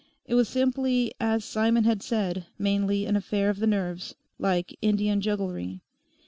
It was simply, as Simon had said, mainly an affair of the nerves, like Indian jugglery.